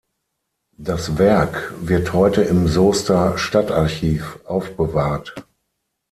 Das Werk wird heute im Soester Stadtarchiv aufbewahrt.